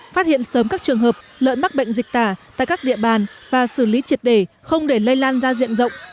phát hiện sớm các trường hợp lợn mắc bệnh dịch tả tại các địa bàn và xử lý triệt để không để lây lan ra diện rộng